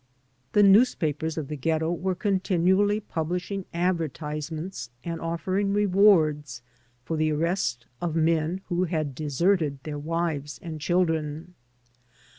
The newspapers of the Ghetto were continually publishing advertisements and offering rewards, for the arrest oL men who had deserted their wives and children.